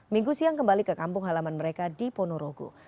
minggu siang kembali ke kampung halaman mereka di ponorogo